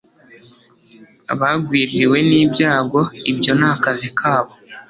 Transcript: abagwiririwe n'ibyago, ibyo ni akazi kabo